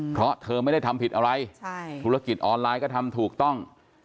เพราะเธอไม่ได้ทำผิดอะไรธุรกิจออนไลน์ก็ทำถูกต้อง